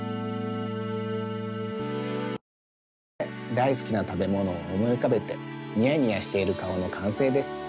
これでだいすきなたべものをおもいうかべてにやにやしているかおのかんせいです。